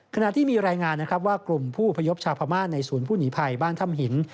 ขณะที่มีรายงานนะครับว่ากลุ่มผู้อพยพชาวพม่าในศูนย์ผู้หนีภัยบ้านถ้ำหิน